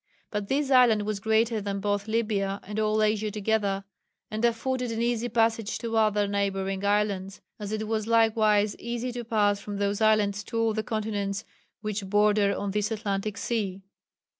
But this island was greater than both Libya and all Asia together, and afforded an easy passage to other neighbouring islands, as it was likewise easy to pass from those islands to all the continents which border on this Atlantic sea."